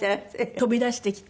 飛び出してきて。